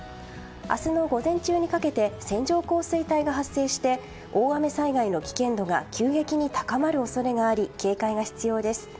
明日の午前中にかけて線状降水帯が発生して大雨災害の危険度が急激に高まる可能性があり警戒が必要です。